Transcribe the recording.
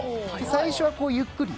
最初はゆっくり。